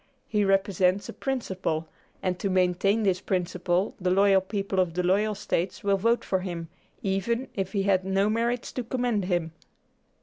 He represents a principle, and to maintain this principle the loyal people of the loyal States will vote for him, even if he had no merits to commend him."